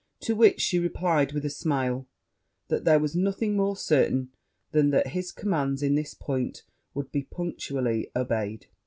To which she replied, with a smile, 'That there was nothing more certain than that his commands, in this point, would be punctually obeyed.'